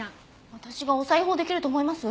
私がお裁縫できると思います？